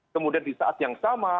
kemudian di saat yang sama